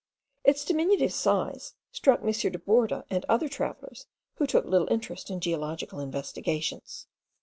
Its diminutive size struck M. de Borda, and other travellers, who took little interest in geological investigations.